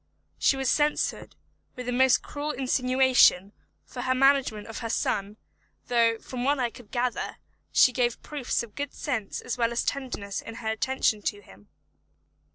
She was censured, with the most cruel insinuation, for her management of her son, though, from what I could gather, she gave proofs of good sense as well as tenderness in her attention to him.